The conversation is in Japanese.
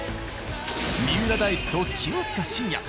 三浦大知と清塚信也。